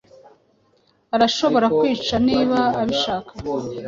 Urashobora kwicara niba ubishaka.